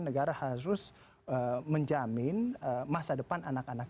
negara harus menjamin masa depan anak anak